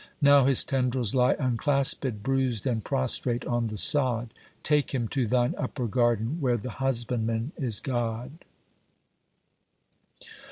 Now his tendrils lie unclasped, bruised and prostrate on the sod, — Take him to thine upper garden, where the husbandman is God!